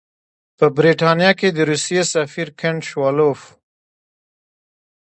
په برټانیه کې د روسیې سفیر کنټ شووالوف.